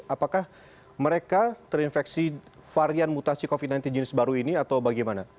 apakah mereka terinfeksi varian mutasi covid sembilan belas jenis baru ini atau bagaimana